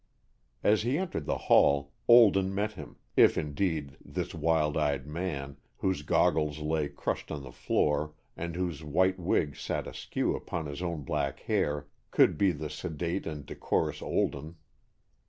As he entered the hall. Olden met him, if indeed this wild eyed man, whose goggles lay crushed on the floor and whose white wig sat askew upon his own black hair, could be the sedate and decorous Olden.